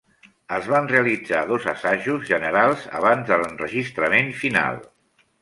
Es van realitzar dos assajos generals abans de l'enregistrament final.